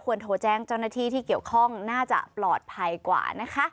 ควรโทรแจ้งเจ้านาฏิที่เกี่ยวข้องง่าจะปลอดภัยกว่า